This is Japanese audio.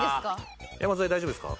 山添大丈夫ですか？